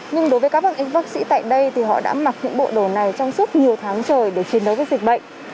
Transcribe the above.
nhưng đối với các y bác sĩ tại đây thì họ đã mặc những bộ đồ này trong suốt nhiều tháng trời để chiến đấu với dịch bệnh